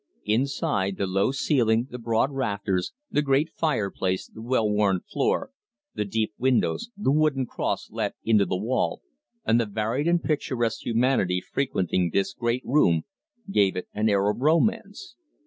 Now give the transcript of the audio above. Inside, the low ceiling, the broad rafters, the great fireplace, the well worn floor, the deep windows, the wooden cross let into the wall, and the varied and picturesque humanity frequenting this great room, gave it an air of romance.